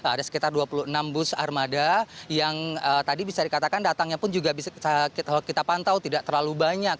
ada sekitar dua puluh enam bus armada yang tadi bisa dikatakan datangnya pun juga bisa kita pantau tidak terlalu banyak